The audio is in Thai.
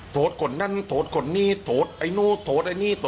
คนนั้นโทษคนนี้โทษไอ้นู้นโทษไอ้นี่